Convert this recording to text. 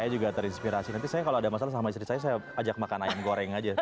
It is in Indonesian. saya juga terinspirasi nanti saya kalau ada masalah sama istri saya saya ajak makan ayam goreng aja